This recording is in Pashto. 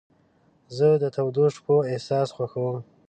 زه د تودو شپو احساس خوښوم.